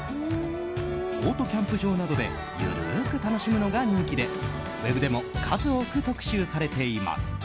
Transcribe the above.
オートキャンプ場などで緩く楽しむのが人気でウェブでも数多く特集されています。